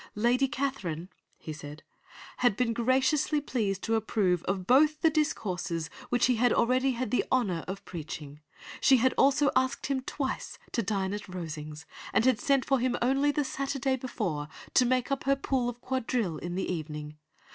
Lady Catherine [he said] had been graciously pleased to approve of both the discourses which he had already had the honour of preaching. She had also asked him twice to dine at Rosings, and had sent for him only the Saturday before, to make up her pool of quadrille in the evening.